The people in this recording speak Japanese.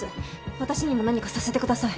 私にも何かさせてください。